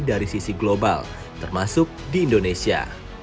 dari sisi global termasuk di indonesia